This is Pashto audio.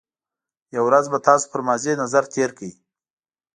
یو ورځ به تاسو پر ماضي نظر تېر کړئ.